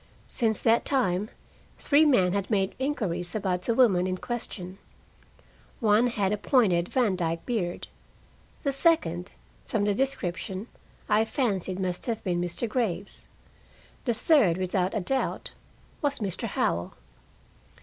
Since that time, three men had made inquiries about the woman in question. One had a pointed Vandyke beard; the second, from the description, I fancied must have been Mr. Graves. The third without doubt was Mr. Howell.